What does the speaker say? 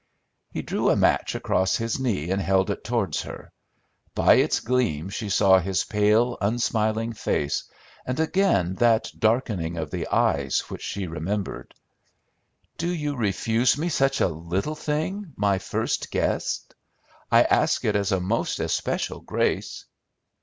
He drew a match across his knee and held it towards her: by its gleam she saw his pale, unsmiling face, and again that darkening of the eyes which she remembered. "Do you refuse me such a little thing, my first guest? I ask it as a most especial grace!"